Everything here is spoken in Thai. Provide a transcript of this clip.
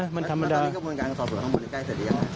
มันทำงานได้